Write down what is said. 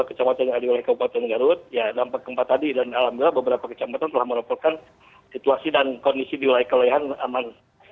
empat puluh dua kecamatan yang ada di bupati garut ya dampak keempat tadi dan alhamdulillah beberapa kecamatan telah merupakan situasi dan kondisi diwilayah kelelihan aman